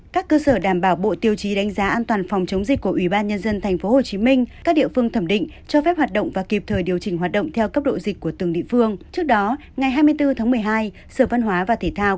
các bạn hãy đăng ký kênh để ủng hộ kênh của chúng mình nhé